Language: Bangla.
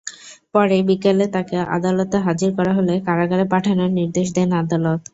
পরে বিকেলে তাঁকে আদালতে হাজির করা হলে কারাগারে পাঠানোর নির্দেশ দেন আদালত।